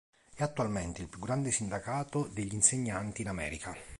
È attualmente il più grande sindacato degli insegnanti in America.